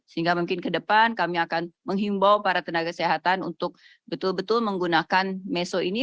sehingga mungkin ke depan kami akan menghimbau para tenaga kesehatan untuk betul betul menggunakan meso ini